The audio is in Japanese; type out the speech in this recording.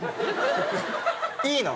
いいの？